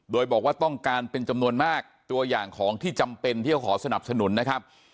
โดยบอกว่าต้องการเป็นจำนวนมากตัวอย่างของที่จำเป็นที่เขาขอสนับสนุนนะครับ